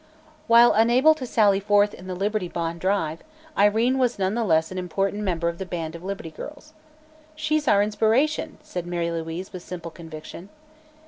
While unable to sally forth in the Liberty Bond drive, Irene was none the less an important member of the band of Liberty Girls. "She's our inspiration," said Mary Louise with simple conviction.